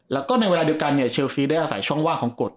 แล้วก็ในเวลาเดียวกันเนี่ยเชลซีได้อาศัยช่องว่างของกฎ